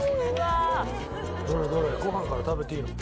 どれどれご飯から食べていいの？